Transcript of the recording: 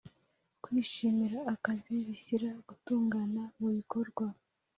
kwishimira akazi bishyira gutungana mubikorwa